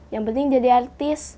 yang penting jadi artis